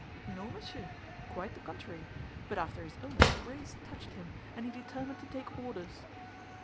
"No, monsieur, quite the contrary; but after his illness grace touched him, and he determined to take orders."